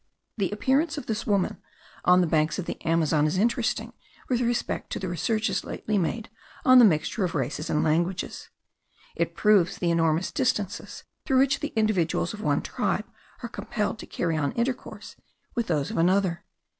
The appearance of this woman on the banks of the Amazon is interesting with respect to the researches lately made on the mixture of races and languages: it proves the enormous distances through which the individuals of one tribe are compelled to carry on intercourse with those of another.)